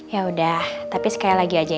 yaudah tapi sekali lagi aja ya